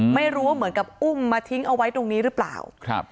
ไม่รู้ว่าเหมือนกับอุ้มมาทิ้งเอาไว้ตรงนี้หรือเปล่า